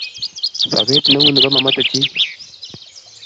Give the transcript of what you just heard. Sobet neuni komomoche chi